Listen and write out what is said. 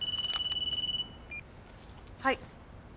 はい。